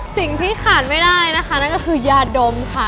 สิ่งที่ขาดไม่ได้นะคะนั่นก็คือยาดมค่ะ